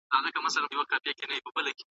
پایله لیکل شوې وه.